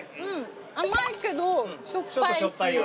甘いけどしょっぱいし。